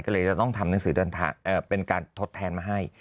ก็เลยจะต้องทำหนังสือเดินทางเป็นการทดแทนมาให้